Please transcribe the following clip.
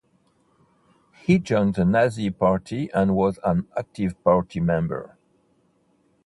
He joined the Nazi party and was an active party member.